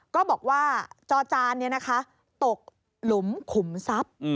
ก็บอกว่าจอจานตกหลุมขุมทรัพย์